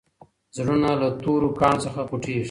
زړونه له تورو کاڼو څخه خوټېږي.